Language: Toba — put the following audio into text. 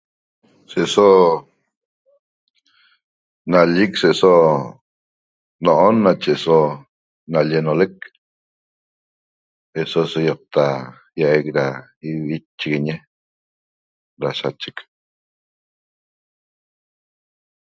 Se'eso nallec se'so no'on nache so nallenolec eso so ÿoqta ÿague da ivitchiguiñi da sachec